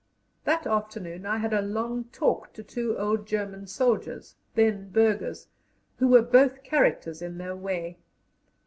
That afternoon I had a long talk to two old German soldiers, then burghers, who were both characters in their way.